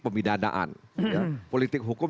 pembidanaan politik hukum